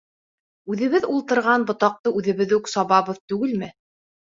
Үҙебеҙ ултырған ботаҡты үҙебеҙ үк сабабыҙ түгелме?